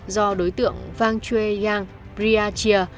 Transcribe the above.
do đối tượng vang chue yang briachia